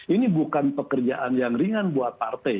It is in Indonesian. ini bukan pekerjaan yang ringan buat partai